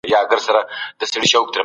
آیا د غالب دیوان خطي نسخه لیدل سوې ده؟